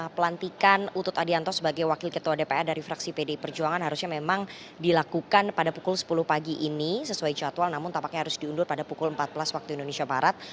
pelantikan utut adianto sebagai wakil ketua dpr dari fraksi pdi perjuangan harusnya memang dilakukan pada pukul sepuluh pagi ini sesuai jadwal namun tampaknya harus diundur pada pukul empat belas waktu indonesia barat